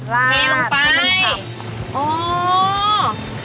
ลาดลงไปให้มันชับ